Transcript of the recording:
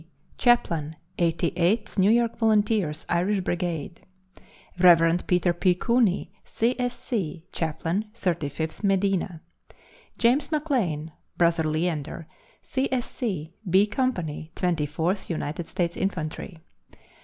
chaplain Eighty eighth New York Volunteers, Irish Brigade. Rev. Peter P. Cooney, C. S. C., chaplain Thirty fifth Medina. James McLain (Brother Leander), C. S. C., B Company, Twenty fourth United States Infantry.